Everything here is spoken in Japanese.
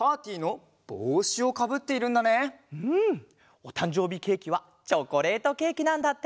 おたんじょうびケーキはチョコレートケーキなんだって！